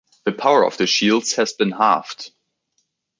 The power of the shields has been halved.